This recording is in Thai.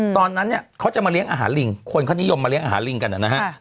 ตอนนั้นเนี่ยเขาจะมาเลี้ยงอาหารลิงคนเขานิยมมาเลี้ยอาหารลิงกันนะฮะ